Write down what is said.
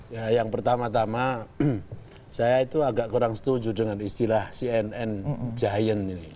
ya yang pertama tama saya itu agak kurang setuju dengan istilah cnn giant ini